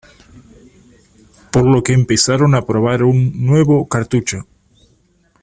Por lo que empezaron a probar un nuevo cartucho.